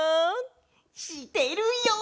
してるよ！